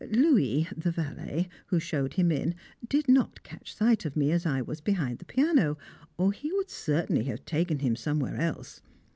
Louis, the valet, who showed him in, did not catch sight of me as I was behind the piano, or he would certainly have taken him somewhere else.